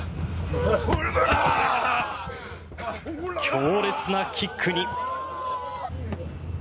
強烈なキックに。